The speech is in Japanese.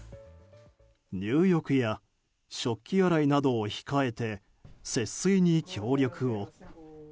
入浴や食器洗いなどを控えて節水に協力を。